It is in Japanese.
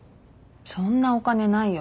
そんなお金ないよ。